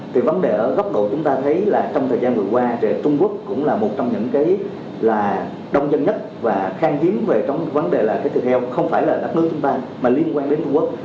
thì vấn đề ở góc độ chúng ta thấy là trong thời gian vừa qua thì trung quốc cũng là một trong những cái là đông dân nhất và khang hiếm về trong vấn đề là cái thịt heo không phải là đất nước chúng ta mà liên quan đến trung quốc